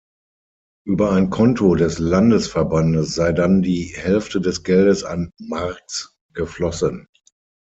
Über ein Konto des Landesverbandes sei dann die Hälfte des Geldes an Marx geflossen.